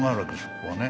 ここはね。